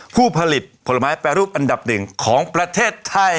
ผู้ผลิตผลไม้แปรรูปอันดับหนึ่งของประเทศไทย